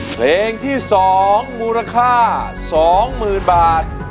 เพลงที่สองมูลค่าสองหมื่นบาท